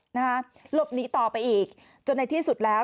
หลบหนีต่อไปอีกจนในที่สุดแล้ว